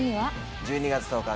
１２月１０日